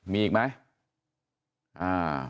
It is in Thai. มีอีกไหม